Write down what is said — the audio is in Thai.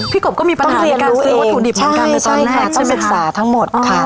พี่กบก็มีปัญหาในการซื้อว่าถูกดิบเหมือนกันตอนแน่ใช่ค่ะต้องศึกษาทั้งหมดค่ะ